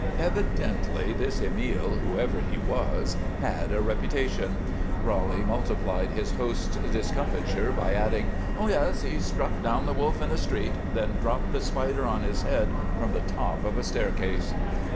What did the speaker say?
Evidently this Emile, whoever he was, had a reputation. Roly multiplied his host's discomfiture by adding: "Yes; he struck down the Wolf in the street; then dropped the Spider on his head from the top of a staircase."